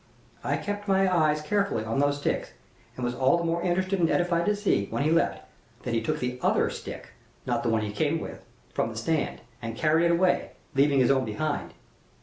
I kept my eyes carefully on those sticks, and was all the more interested and edified to see, when he left, that he took the other stick not the one he came with from the stand, and carried it away, leaving his own behind.